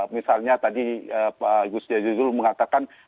misalnya tadi pak gus jazilul mengatakan